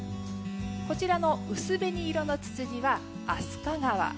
こちらの薄紅色のツツジは飛鳥川。